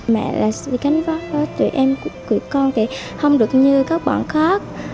mẹ là sự khánh vác của tụi em của con thì không được như các bọn khác